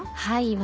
はい。